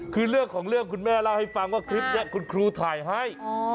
คือเรื่องของเรื่องคุณแม่เล่าให้ฟังว่าคลิปนี้คุณครูถ่ายให้